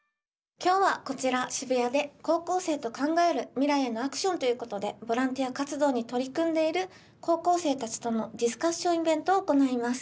今日はこちら渋谷で高校生と考える未来へのアクションということでボランティア活動に取り組んでいる高校生たちとのディスカッションイベントを行います。